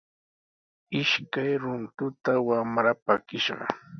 Ishkay runtuta wamra pakishqa.